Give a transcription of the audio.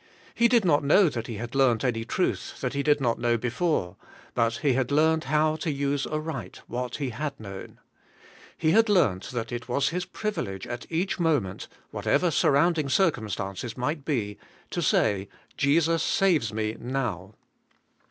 He did not know that he had learnt any truth he did not know before, but he had learnt how to use aright what he had known. He had learnt that it was his privilege at each moment, whatever surrounding circumstances might be, to say, 'Jesus saves me 7iotv.